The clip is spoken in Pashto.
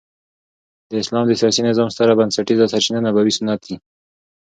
د اسلام د سیاسي نظام ستره بنسټيزه سرچینه نبوي سنت دي.